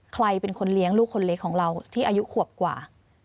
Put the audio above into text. ใครเป็นคนเลี้ยงลูกคนเล็กของเราที่อายุขวบกว่า